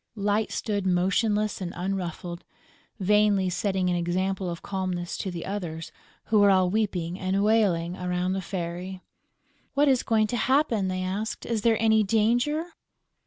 Light stood motionless and unruffled, vainly setting an example of calmness to the others, who were all weeping and wailing around the Fairy: "What is going to happen?" they asked. "Is there any danger?"